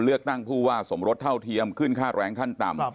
เลือกตั้งผู้ว่าสมรสเท่าเทียมขึ้นค่าแรงขั้นต่ำ